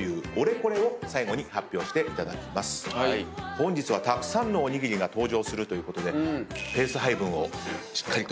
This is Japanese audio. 本日はたくさんのおにぎりが登場するということでペース配分をしっかりと。